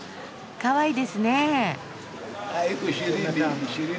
かわいいですねえ。